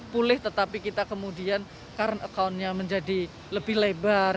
pulih tetapi kita kemudian current accountnya menjadi lebih lebar